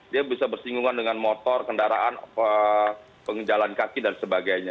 dia bisa bersinggungan dengan motor kendaraan penggalan kaki dan sebagainya